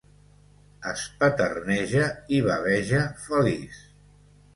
Espeternega i baveja feliç.